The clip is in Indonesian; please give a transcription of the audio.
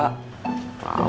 rauh ini parah banget sih